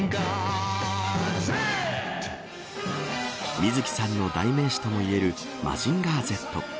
水木さんの代名詞ともいえるマジンガーＺ。